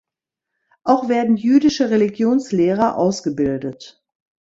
Auch werden jüdische Religionslehrer ausgebildet.